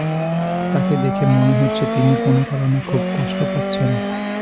তাঁকে দেখে মনে হচ্ছে তিনি কোনো কারণে খুব কষ্ট পাচ্ছেন।